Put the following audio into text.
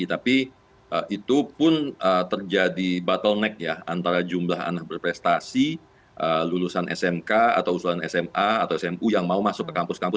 tapi itu pun terjadi bottleneck ya antara jumlah anak berprestasi lulusan smk atau usulan sma atau smu yang mau masuk ke kampus kampus